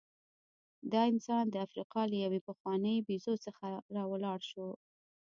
دا انسان د افریقا له یوې پخوانۍ بیزو څخه راولاړ شو.